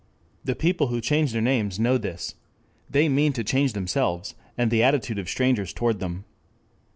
The people who change their names know this. They mean to change themselves, and the attitude of strangers toward them.